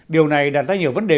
điều này đặt ra nhiều vấn đề